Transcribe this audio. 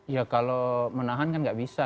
ya kalau menahan kan nggak bisa